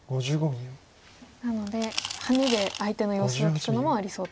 なのでハネで相手の様子を聞くのもありそうと。